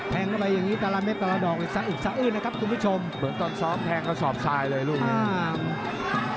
ไปแทงก็สอบทรายเลยลุงนี้